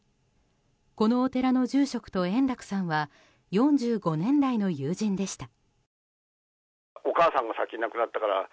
このお寺の住職と円楽さんは４５年来の友人でした。